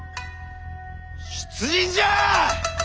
出陣じゃあ！